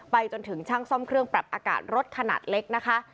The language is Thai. จนถึงช่างซ่อมเครื่องปรับอากาศรถขนาดเล็กนะคะ